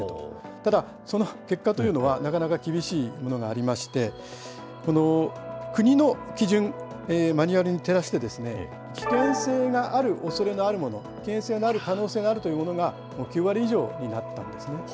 ただその結果というのは、なかなか厳しいものがありまして、国の基準、マニュアルに照らして、危険性があるおそれのあるもの、危険性がある可能性があるというものが、９割以上になったんですね。